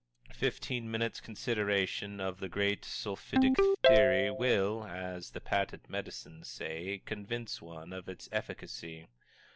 Fifteen minutes' consideration of the great Sulphitic Theory will, as the patent medicines say, convince one of its efficacy.